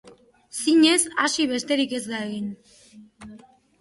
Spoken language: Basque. Zinez, hasi besterik ez da egin.